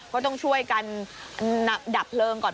ก็ต้องช่วยกันดับเพลิงก่อน